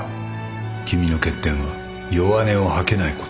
君の欠点は弱音を吐けないことだ